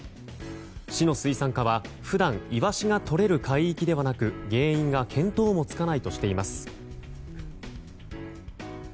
市の水産課は普段イワシがとれる海域ではなく原因が見当もつかないとしています。